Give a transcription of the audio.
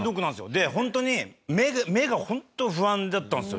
でホントに目がホント不安だったんですよ